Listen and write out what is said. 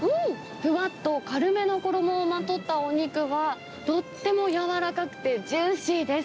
ふわっと軽めの衣をまとったお肉は、とっても柔らかくてジューシーです。